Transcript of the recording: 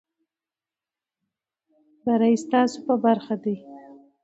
بری ستاسو په دی.